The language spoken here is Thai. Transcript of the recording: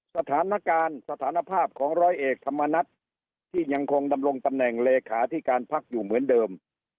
สถานการณ์สถานภาพของร้อยเอกธรรมนัฐที่ยังคงดำรงตำแหน่งเลขาที่การพักอยู่เหมือนเดิม